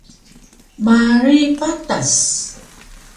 Marig Patas